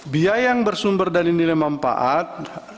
biaya yang bersumber dan ini mempaat